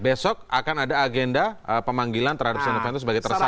besok akan ada agenda pemanggilan tradisiun event itu sebagai tersangka